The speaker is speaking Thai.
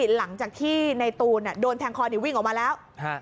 หลังจากที่ในตูนโดนแทงคอวิ่งออกมาแล้ว